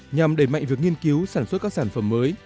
nhằm đẩy mạnh việc nghiên cứu sản xuất các sản phẩm mới